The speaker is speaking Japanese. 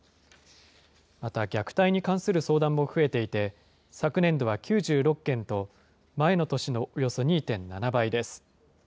また虐待に関する相談も増えていて、昨年度は９６件と、前の年のおよそ２．７倍です。